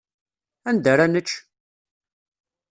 Anda ara nečč?